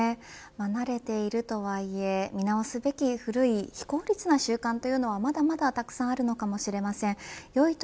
慣れているとはいえ見直すべき古い非効率な習慣というのはまだまだたくさんあるのかもしれません。